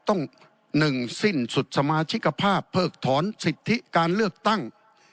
หนึ่งสิ้นสุดสมาชิกภาพเพิกถอนสิทธิการเลือกตั้ง